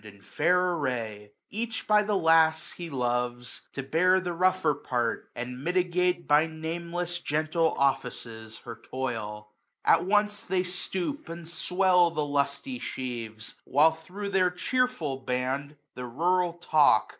In fair array ; each by the lass he loves ; To bear the rougher part, and mitigate 155 By nameless gentle offices her toil. At once they stoop and swell the lusty sheaves ; While thro' their cheerful band, the rural talk.